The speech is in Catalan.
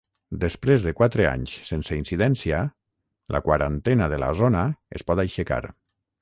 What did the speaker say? Després de quatre anys sense incidència, la quarantena de la zona es pot aixecar.